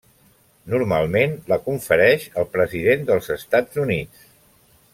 Normalment la confereix el President dels Estats Units.